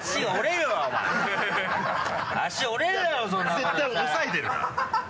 絶対押さえてるから。